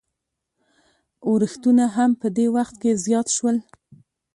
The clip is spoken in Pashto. اورښتونه هم په دې وخت کې زیات شول.